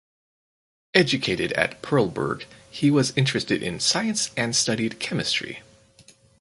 Educated at Perleberg he was interested in science and studied chemistry.